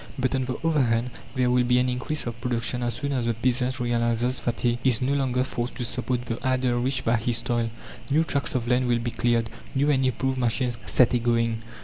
But, on the other hand, there will be an increase of production as soon as the peasant realizes that he is no longer forced to support the idle rich by his toil. New tracts of land will be cleared, new and improved machines set a going.